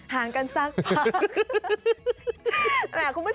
ห่างกันสักพัก